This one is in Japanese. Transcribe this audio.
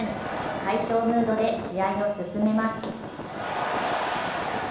快勝ムードで試合を進めます。